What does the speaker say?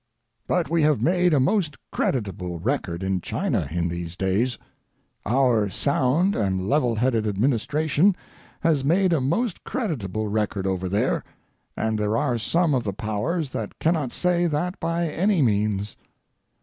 But we have made a most creditable record in China in these days—our sound and level headed administration has made a most creditable record over there, and there are some of the Powers that cannot say that by any means.